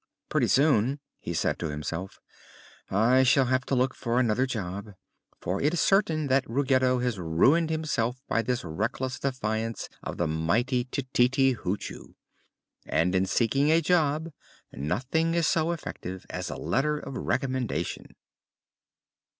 "Pretty soon," he said to himself, "I shall have to look for another job, for it is certain that Ruggedo has ruined himself by this reckless defiance of the mighty Tititi Hoochoo. And in seeking a job nothing is so effective as a letter of recommendation."